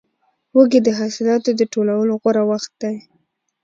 وږی د حاصلاتو د ټولولو غوره وخت دی.